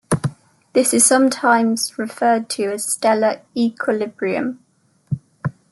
This is sometimes referred to as stellar equilibrium.